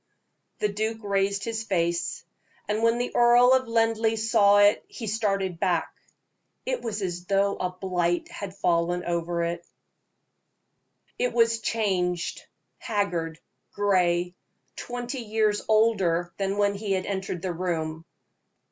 The duke raised his face, and when the Earl of Linleigh saw it he started back. It was as though a blight had fallen over it it was changed, haggard, gray twenty years older than when he had entered the room.